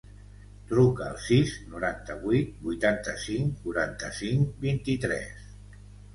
Truca al sis, noranta-vuit, vuitanta-cinc, quaranta-cinc, vint-i-tres.